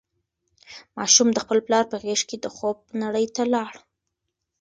ماشوم د خپل پلار په غېږ کې د خوب نړۍ ته لاړ.